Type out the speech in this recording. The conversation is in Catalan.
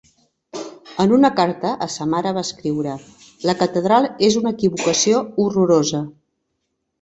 En una carta a sa mare va escriure: La Catedral es una equivocació horrorosa.